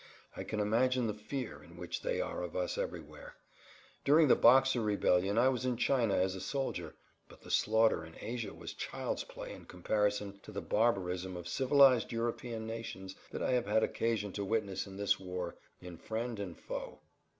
I can imagine the fear in which they are of us everywhere. During the Boxer rebellion I was in China as a soldier, but the slaughter in Asia was child's play in comparison to the barbarism of civilized European nations that I have had occasion to witness in this war in friend and foe."